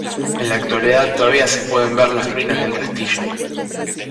En la actualidad todavía se pueden ver las ruinas del castillo.